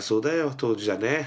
当時じゃね。